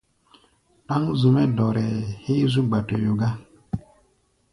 Ɗáŋ zu-mɛ́ dɔrɛɛ héé zú gba-toyo gá.